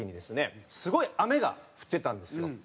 すごい雨が降ってたんですよ。